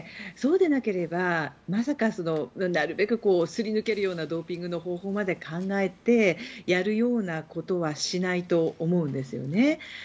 そうでなければまさか、すり抜けるようなドーピングの方法まで考えてやるようなことはしないと思うんです。